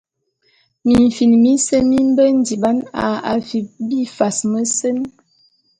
Mimfin mise mi mbe ndiban a afip bifas meseñ.